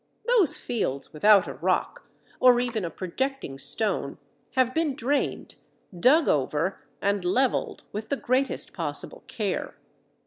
Those fields without a rock, or even a projecting stone, have been drained, dug over, and levelled with the greatest possible care.